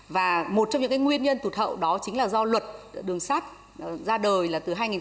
và một trong những nguyên nhân tụt hậu đó chính là do luật đường sắt ra đời là từ hai nghìn một mươi